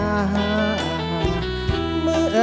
จริง